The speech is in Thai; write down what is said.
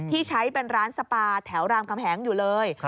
ที่ใช้เป็นร้านสปาแถวรามคำแหงอยู่เลย